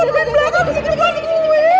lu ngapain berangkat ke sini